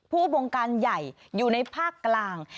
บงการใหญ่อยู่ในภาคกลาง